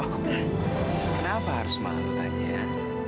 kenapa harus malu tanya